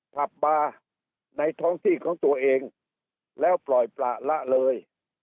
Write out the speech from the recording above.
ขับมาในท้องที่ของตัวเองแล้วปล่อยประละเลย